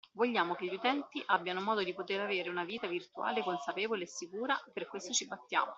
Vogliamo che gli utenti abbiano modo di poter avere una vita virtuale consapevole e sicura e per questo ci battiamo.